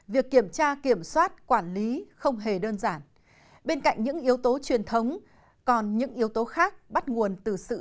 việc kiểm tra kiểm soát quản lý không hề đơn giản bên cạnh những yếu tố truyền thống còn những yếu tố khác bắt nguồn từ sự